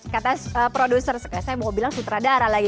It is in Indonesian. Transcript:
kata produser saya mau bilang sutradara lagi